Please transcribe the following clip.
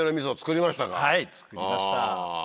はい造りました。